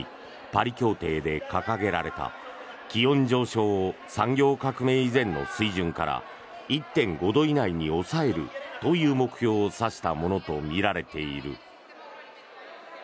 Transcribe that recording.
パリ協定で掲げられた気温上昇を産業革命以前の水準から１．５度以内に抑えるという目標を指したものとみられている。